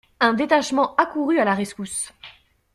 Un détachement accourut à la rescousse.